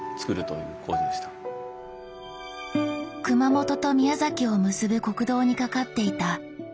熊本と宮崎を結ぶ国道に架かっていた旧阿蘇大橋。